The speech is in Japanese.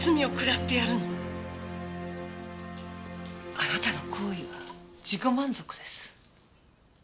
あなたの行為は自己満足です。